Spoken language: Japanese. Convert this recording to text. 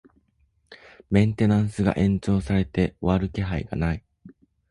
メンテナンスが延長されて終わる気配がない